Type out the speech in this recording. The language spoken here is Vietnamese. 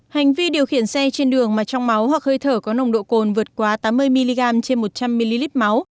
hành vi điều khiển xe trên đường mà trong máu hoặc hơi thở có nồng độ cồn vượt quá tám mươi mg trên một trăm linh ml máu